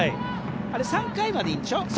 あれ、３回までいいんでしょ？